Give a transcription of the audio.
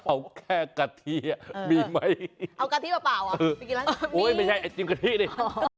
โอ้ยไม่ใช่เอาจริงเลย